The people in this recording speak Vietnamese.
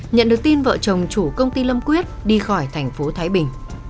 nhận được tin vợ chồng chủ công ty lâm quyết đi khỏi tp thái bình